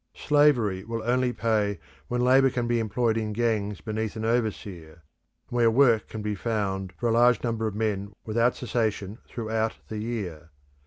Slavery will only pay when labour can be employed in gangs beneath an overseer, and where work can be found for a large number of men without cessation throughout the year.